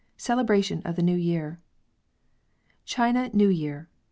CELEBRATION OF THE NEW YEAR, China New Year!